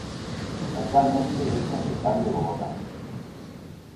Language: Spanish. Actualmente es concejal de Bogotá.